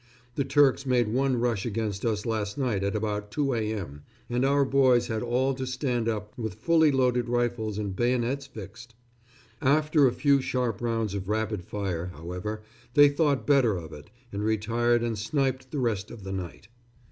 The Turks made one rush against us last night at about 2 a.m., and our boys had all to stand up with fully loaded rifles and bayonets fixed. After a few sharp rounds of rapid fire, however, they thought better of it, and retired and sniped the rest of the night.